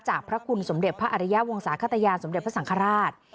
พระคุณสมเด็จพระอริยาวงศาขตยานสมเด็จพระสังฆราช